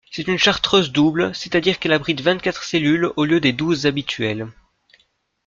C'est une chartreuse double, c'est-à-dire qu'elle abrite vingt-quatre cellules au lieu des douze habituelles.